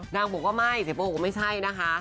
นางบอกว่าไม่เสียโปตืดตรงวิดนะค่ะ